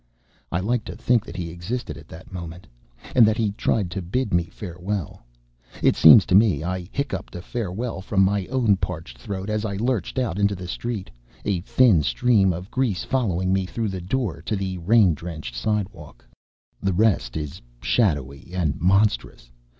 I like to think that he existed at that moment, and that he tried to bid me farewell. It seems to me I hiccupped a farewell from my own parched throat as I lurched out into the street; a thin stream of grease following me through the door to the rain drenched sidewalk. The rest is shadowy and monstrous.